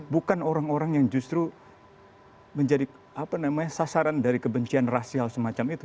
bukan orang orang yang justru menjadi sasaran dari kebencian rasial semacam itu